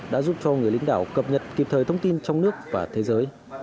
đã giúp cho người lính đảo cập nhật kịp thời thông tin trong nước và thế giới